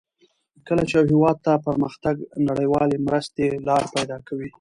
کله چې یو هېواد ته پرمختګ نړیوالې مرستې لار پیداکوي.